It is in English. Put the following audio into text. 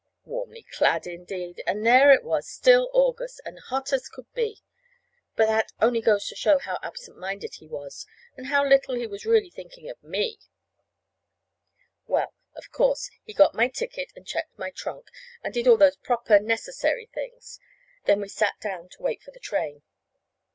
Warmly clad, indeed! And there it was still August, and hot as it could be! But that only goes to show how absent minded he was, and how little he was really thinking of me! Well, of course, he got my ticket and checked my trunk, and did all those proper, necessary things; then we sat down to wait for the train.